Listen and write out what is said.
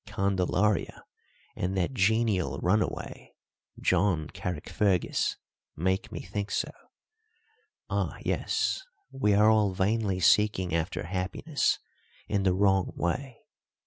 Candelaria and that genial runaway John Carrickfergus make me think so. Ah, yes, we are all vainly seeking after happiness in the wrong way.